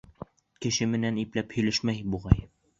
Кеше менән ипләп һөйләшмәй, буғай.